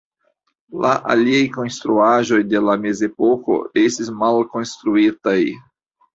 La aliaj konstruaĵoj de la Mezepoko estis malkonstruitaj.